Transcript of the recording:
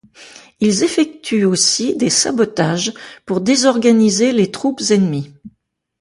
Ils effectuent aussi des sabotages pour désorganiser les troupes ennemies.